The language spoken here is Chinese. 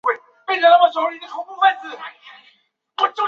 拉东人口变化图示